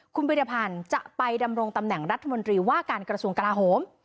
คุณพิรพันธ์จะไปดำรงตำแหน่งรัฐมนตรีว่าการกระทรวงกลาโหม